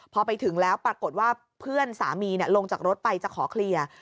พอไปถึงแล้วปรากฏว่าเพื่อนสามีลงจากรถไปจะขอเคลียร์